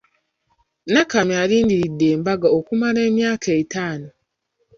Nakamya alindiridde embaga okumala emyaka etaano.